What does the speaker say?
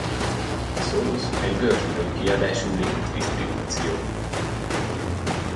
A Solus egy gördülő kiadású Linux-disztribúció.